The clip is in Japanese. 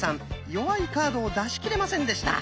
弱いカードを出し切れませんでした。